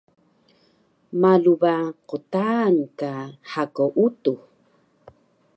malu ba qtaan ka hako utux